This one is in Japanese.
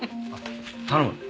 頼む。